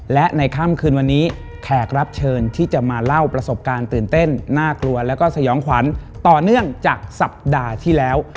และในค่ำคืนวันนี้แขกรับเชิญที่จะมาเล่าประสบการณ์ตื่นเต้นน่ากลัวแล้วก็สยองขวัญต่อเนื่องจากสัปดาห์ที่แล้ว